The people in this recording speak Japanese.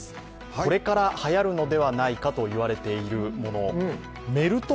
これからはやるのではないかといわれているもの。